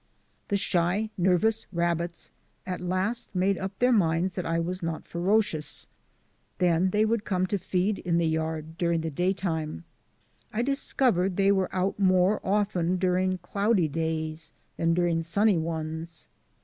The shy, nervous rabbits at last made up their minds that I was not ferocious. Then they would come to feed in the yard during the daytime. I discovered they were out more often during cloudy days than during sunny ones.